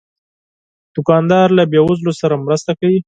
دوکاندار له بې وزلو سره مرسته کوي.